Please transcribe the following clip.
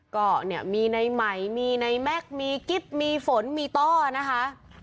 ก็เนี่ยมีในใหม่มีในแม็กซ์มีกิ๊บมีฝนมีต้อนะคะ